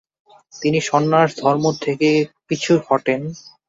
তিনি সন্ন্যাসধর্ম থেকে পিছু হটেন।